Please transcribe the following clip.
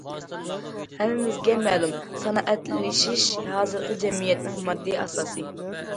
ھەممىمىزگە مەلۇم، سانائەتلىشىش ھازىرقى جەمئىيەتنىڭ ماددىي ئاساسى.